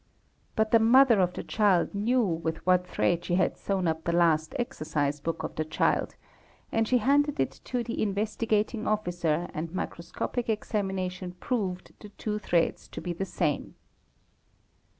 But the mother of the _ child knew with what thread she had sewn up the last exercise book f of the child and she handed it to the Investigating Officer and micros } copic examination proved the two threads to be the same.